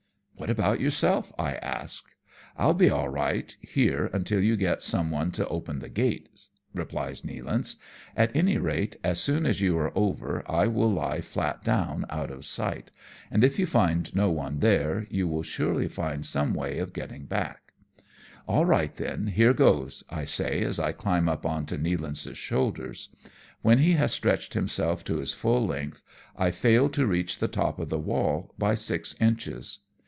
"What about yourself? " I ask. " 1^11 be all right here till you get some one to open the gate," replies Nealance ;" at any rate, as soon as 152 AMONG TYPHOONS AND FIR ATE CRAFT. you are over I will lie flat down, out of eight, and if you find no one there, you will surely find some way of getting back." " All right, then, here goes," I say, as I climb up on to Nealance's shoulders. When he has stretched him^ self to his full length, I fail to reach the top of the wall by six inches.